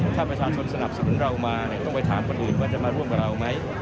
ถ้าประชาชนสนับสนุนเรามาต้องไปถามคนอื่นว่าจะมาร่วมกับเราไหม